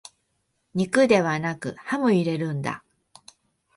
肉ではなくハム入れるんだ